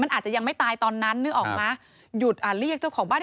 มันอาจจะยังไม่ตายตอนนั้นนึกออกไหมหยุดอ่ะเรียกเจ้าของบ้าน